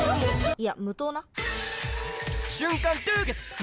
いや無糖な！